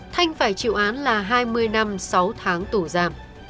thanh phải chịu án là hai mươi năm sáu tháng tù giam